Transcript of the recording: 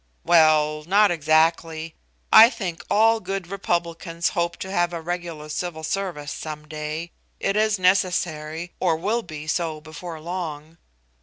"Well, not exactly. I think all good Republicans hope to have a regular Civil Service some day. It is necessary, or will be so before long."